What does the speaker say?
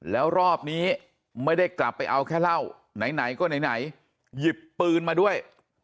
แล้วรอบนี้ไม่ได้กลับไปเอาแค่เหล้าไหนก็ไหนหยิบปืนมาด้วย